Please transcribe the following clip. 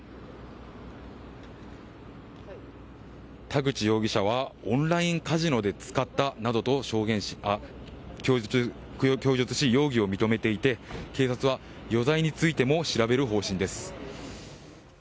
田口容疑者はオンラインカジノで使ったなどと供述し、容疑を認めていて警察は余罪についても調べる方針です。